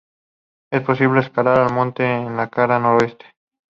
Es posible escalar el monte en la cara noroeste.